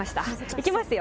いきますよ。